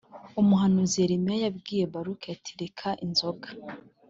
umuhanuzi Yeremiya yabwiye Baruki ati reka inzoga